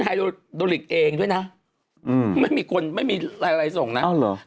โดลิกเองด้วยนะอืมไม่มีคนไม่มีอะไรส่งนะอ้าวเหรอ